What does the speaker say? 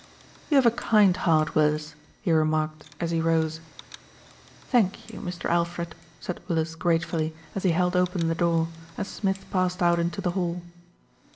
"You have a kind heart, Willis," he remarked, as he rose. "Thank you, Mr. Alfred," said Willis gratefully, as he held open the door, and Smith passed out into the hall.